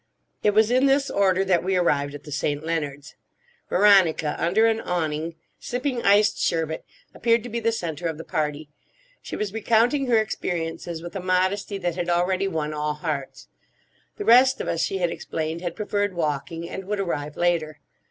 It was in this order that we arrived at the St. Leonards'. Veronica, under an awning, sipping iced sherbet, appeared to be the centre of the party. She was recounting her experiences with a modesty that had already won all hearts. The rest of us, she had explained, had preferred walking, and would arrive later.